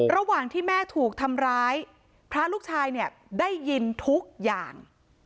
ระหว่างที่แม่ถูกทำร้ายพระลูกชายเนี่ยได้ยินทุกอย่าง